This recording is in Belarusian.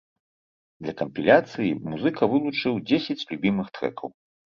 Для кампіляцыі музыка вылучыў дзесяць любімых трэкаў.